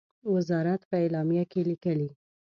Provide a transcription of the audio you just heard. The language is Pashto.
وزارت په اعلامیه کې لیکلی،